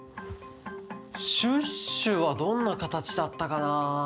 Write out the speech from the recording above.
シュッシュはどんなかたちだったかな？